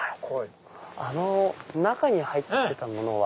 あの中に入ってたものは。